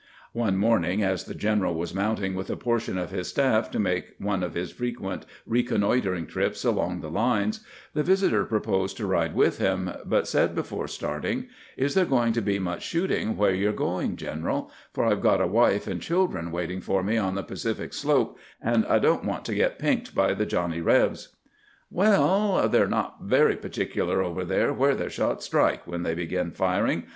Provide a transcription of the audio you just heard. One morning, as the general was mounting with a portion of his staff to make one of his frequent reconnoitering trips along the GBANT'S VISITOB FKOM THE PACIFIC SLOPE 185 lines, the visitor proposed to ride with him, but said before starting :" Is there going to be much shooting where you 're going, general 1 For I 've got a wife and children waiting for me on the Pacific slope, and I don't want to get pinked by the Johnny Eebs." " Well, they 're not very particular over there where their shots strike when they begin firing.